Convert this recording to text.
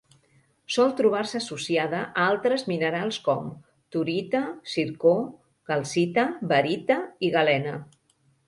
Sol trobar-se associada a altres minerals com: torita, zircó, calcita, barita i galena.